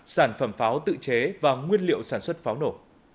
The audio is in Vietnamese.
sản phẩm pháo tự chế và nguyên liệu sản xuất pháo nổ